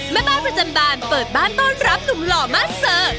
แม่บ้านประจำบานเปิดบ้านต้อนรับหนุ่มหล่อมาสเซอร์